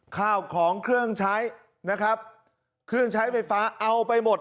ข้าวของเครื่องใช้ีเฟ้าเอาไปหมด